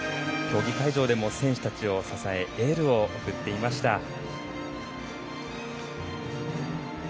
競技会場でも選手たちを支えエールを送っていました。